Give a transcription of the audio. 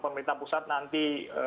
pemerintah pusat nanti